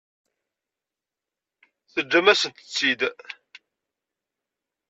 Teǧǧam-asent-tt-id?